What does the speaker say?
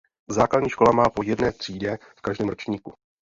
Základní škola má po jedné třídě v každém ročníku.